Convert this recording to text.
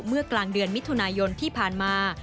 เมื่อกลางเดือนมิถุนายนที่ผ่านมา